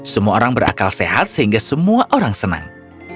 semua orang berakal sehat sehingga semua orang senang